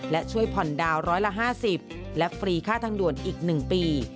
และช่วยผ่อนดาวนร้อยละ๕๐และฟรีค่าทางด่วนอีก๑ปี